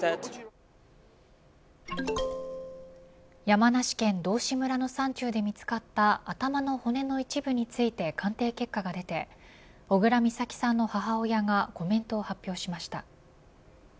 山梨県道志村の山中で見つかった頭の骨の一部について鑑定結果が出て小倉美咲さんの母親がコメントを発表しました。